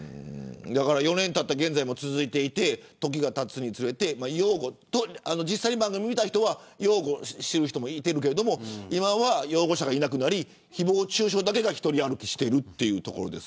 ４年たった現在も続いていて時がたつにつれて実際に番組を見た人は擁護してる人もいたけど今は擁護者がいなくなり誹謗中傷だけが独り歩きしているというところ。